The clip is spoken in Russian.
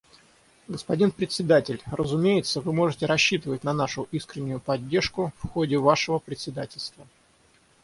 Господин Председатель, разумеется, вы можете рассчитывать на нашу искреннюю поддержку в ходе вашего председательства.